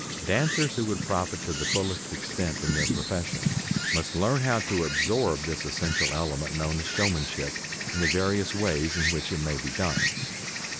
Dancers who would profit to the fullest extent in their profession must learn how to absorb this essential element known as showmanship, in the various ways in which it may be done.